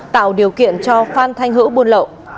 tạo điều kiện cho phan thanh hữu buôn lộ